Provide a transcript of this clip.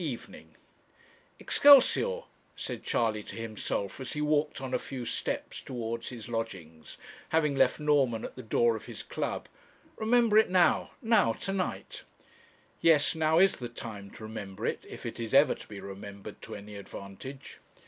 EVENING 'Excelsior!' said Charley to himself, as he walked on a few steps towards his lodgings, having left Norman at the door of his club. 'Remember it now now, to night.' Yes now is the time to remember it, if it is ever to be remembered to any advantage.